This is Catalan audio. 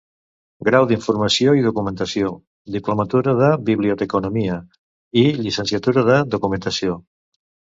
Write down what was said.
Grau d'Informació i Documentació, diplomatura de Biblioteconomia i llicenciatura de Documentació.